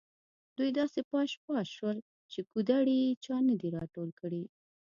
دوی داسې پاش پاش شول چې کودړي یې چا نه دي راټول کړي.